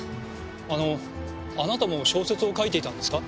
あのあなたも小説を書いていたんですか？